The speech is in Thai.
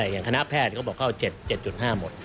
อย่างคณะแพทย์เขาบอกเข้า๗๕หมด